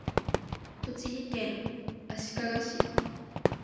栃木県足利市